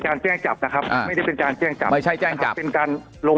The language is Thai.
แจ้งจับนะครับไม่ได้เป็นการแจ้งจับไม่ใช่แจ้งจับเป็นการลง